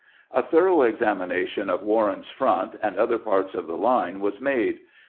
A thorough examination of Warren's front and other parts of the Une was made.